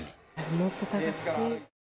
もっと高くていい。